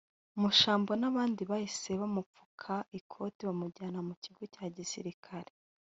Mushambo n’abandi bahise bamupfuka ikoti bamujyana mu kigo cya gisirikare